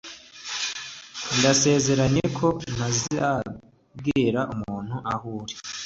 Ndasezeranye ko ntazabwira umuntu aho uri.